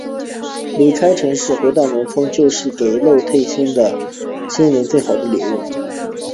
离开城市，回到农村，就是给累透的心灵最好的礼物。